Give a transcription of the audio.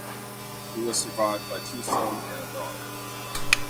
He was survived by two sons and a daughter.